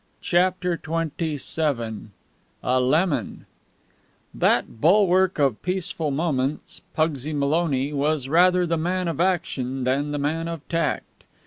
CHAPTER XXVII A LEMON That bulwark of Peaceful Moments, Pugsy Maloney, was rather the man of action than the man of tact.